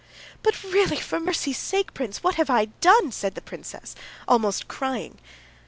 "But, really, for mercy's sake, prince, what have I done?" said the princess, almost crying.